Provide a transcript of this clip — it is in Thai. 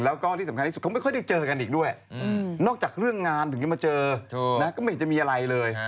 แล้วก็ที่สำคัญที่สุดเขาไม่ค่อยได้เจอกันอีกด้วยนอกจากเรื่องงานถึงจะมาเจอนะก็ไม่เห็นจะมีอะไรเลย